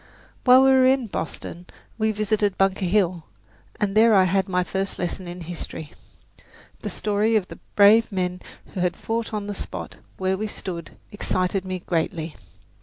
While we were in Boston we visited Bunker Hill, and there I had my first lesson in history. The story of the brave men who had fought on the spot where we stood excited me greatly.